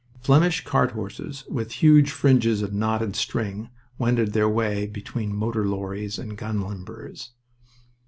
Flemish cart horses with huge fringes of knotted string wended their way between motor lorries and gun limbers.